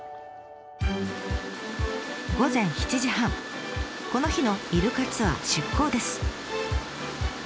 午前７時半この日のイルカツアー出港です。